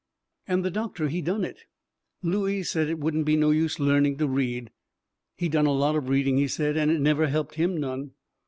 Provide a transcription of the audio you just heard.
And the doctor, he done it. Looey said it wouldn't be no use learning to read. He'd done a lot of reading, he said, and it never helped him none.